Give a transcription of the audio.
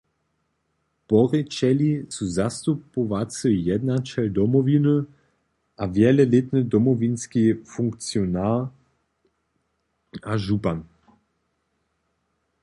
Porěčeli su zastupowacy jednaćel Domowiny a wjelelětny Domowinski funkcionar a župan.